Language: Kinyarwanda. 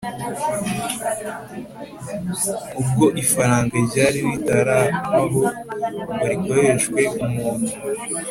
Ubwo ifaranga ryari ritarabaho ngo rikoreshwe umuntu